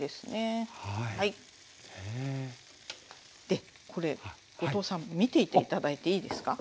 でこれ後藤さん見ていて頂いていいですか？